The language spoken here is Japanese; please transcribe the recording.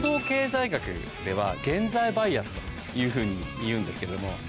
経済学では現在バイアスというふうにいうんですけれども。